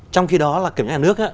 trong khi đó là kiểm tra nhà nước